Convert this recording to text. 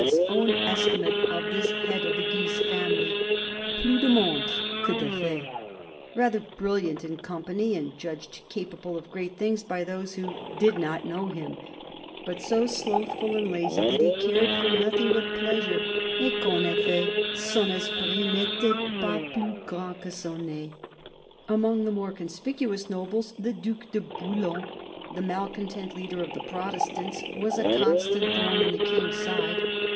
's own estimate of this head of the Guise family :" Plus de montre que d'effet"; rather brilliant in company, and judged capable of great things by those who did not know him; but so slothful and lazy that he cared for nothing but CLOISTER AT CHAWPIGNY THE BISHOP OF LUgON 35 pleasure, " et qu'en effet son esprit n'etait pas plus grand que son nez." Among the more conspicuous nobles, the Due de Bouillon, the malcontent leader of the Protestants, was a constant thorn in the King's side.